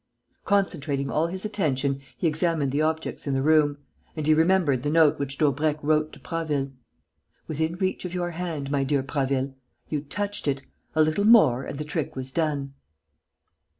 Concentrating all his attention, he examined the objects in the room; and he remembered the note which Daubrecq wrote to Prasville: "Within reach of your hand, my dear Prasville!... You touched it! A little more and the trick was done...."